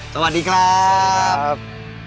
สวัสดีครับ